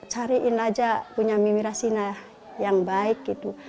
cariin aja punya mimi rasina yang baik gitu